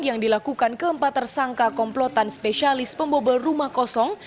yang dilakukan keempat tersangka komplotan spesialis pembobol rumah kosong